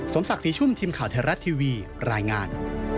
ศักดิ์ศรีชุ่มทีมข่าวไทยรัฐทีวีรายงาน